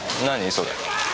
それ。